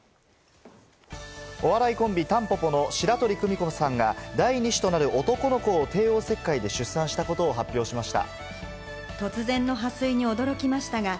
お笑いコンビ・たんぽぽの白鳥久美子さんが、第２子となる男の子を帝王切開で出産したことを発表しました。